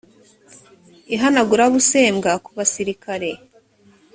ihanagura busembwa ku basirikare